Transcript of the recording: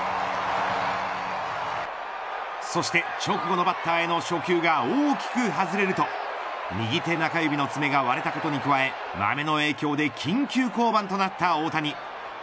そして直後のバッターへの初球が大きく外れると右手中指の爪が割れたことに加えマメの影響で緊急降板となった大谷。